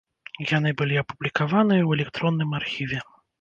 Яны былі апублікаваныя ў электронным архіве.